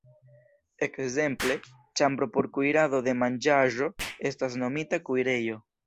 Ekzemple, ĉambro por kuirado de manĝaĵo estas nomita kuirejo.